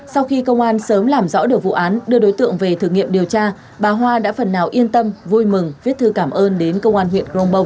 sau khi công an sớm làm rõ được vụ án đưa đối tượng về thử nghiệm điều tra bà hoa đã phần nào yên tâm vui mừng viết thư cảm ơn đến công an huyện grong bông